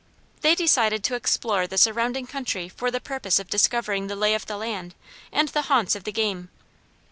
They decided to explore the surrounding country for the purpose of discovering the lay of the land and the haunts of game.